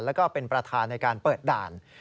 แล้วก็เป็นประธานในการเปิดด่าน